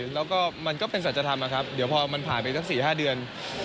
แล้วก็มันก็เป็นสัจธรรมนะครับเดี๋ยวพอมันผ่านไปสัก๔๕เดือน